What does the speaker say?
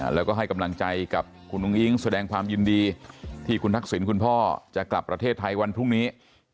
แล้วก็ให้กำลังใจกับคุณอุ้งอิ๊งแสดงความยินดีที่คุณทักษิณคุณพ่อจะกลับประเทศไทยวันพรุ่งนี้